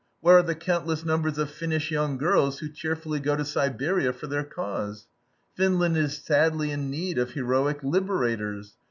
Where are the countless numbers of Finnish young girls who cheerfully go to Siberia for their cause? Finland is sadly in need of heroic liberators.